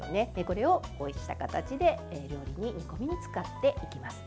これを、こうした形で煮込み料理に使っていきます。